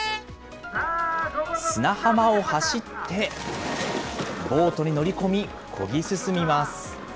砂浜を走って、ボートに乗り込み、こぎ進みます。